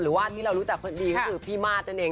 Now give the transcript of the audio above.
หรือว่าที่เรารู้จักดีก็คือพี่มาสนั่นเอง